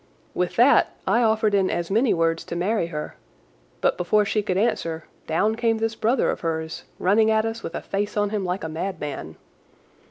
With that I offered in as many words to marry her, but before she could answer, down came this brother of hers, running at us with a face on him like a madman.